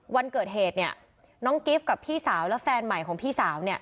วันเกิดเหตุเนี่ยน้องกิฟต์กับพี่สาวและแฟนใหม่ของพี่สาวเนี่ย